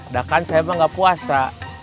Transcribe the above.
dakan saya mau enggak puasa